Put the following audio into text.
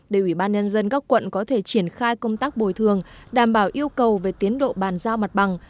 để ubnd các quận có thể triển khai công tác bồi thường đảm bảo yêu cầu về tiến độ bàn giao mặt bằng